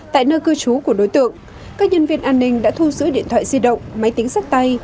tại nơi cư trú của đối tượng các nhân viên an ninh đã thu giữ điện thoại di động máy tính sách tay